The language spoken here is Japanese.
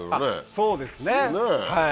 そうですねはい。